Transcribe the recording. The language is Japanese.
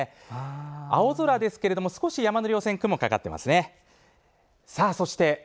青空ですけれど少し、山のりょう線は雲がかかっています。